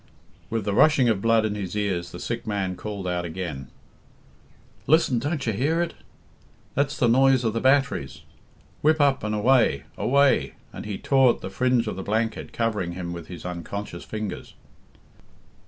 With the rushing of blood in his ears the sick man called out again: "Listen! Don't you hear it? That's the noise of the batteries. Whip up, and away! Away!" and he tore at the fringe of the blanket covering him with his unconscious fingers.